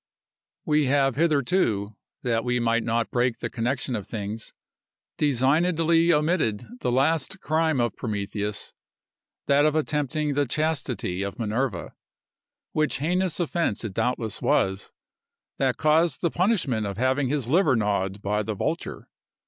We have hitherto, that we might not break the connection of things, designedly omitted the last crime of Prometheus—that of attempting the chastity of Minerva—which heinous offence it doubtless was, that caused the punishment of having his liver gnawed by the vulture.